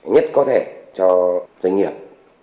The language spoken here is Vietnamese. nhất có thể cho doanh nghiệp